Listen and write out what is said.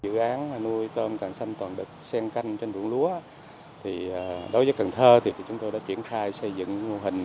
dự án nuôi tôm càng xanh toàn đực sen canh trên ruộng lúa đối với cần thơ thì chúng tôi đã triển khai xây dựng mô hình